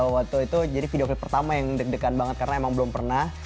waktu itu jadi video call pertama yang deg degan banget karena emang belum pernah